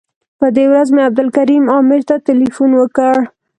په دې ورځ مې عبدالکریم عامر ته تیلفون وکړ.